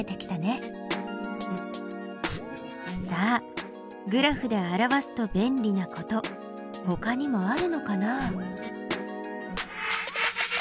さあグラフで表すと便利なことほかにもあるのかな？